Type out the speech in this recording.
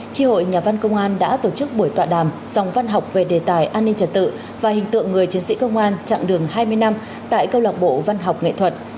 tri hội nhà văn công an đã tổ chức buổi tọa đàm dòng văn học về đề tài an ninh trật tự và hình tượng người chiến sĩ công an chặng đường hai mươi năm tại câu lạc bộ văn học nghệ thuật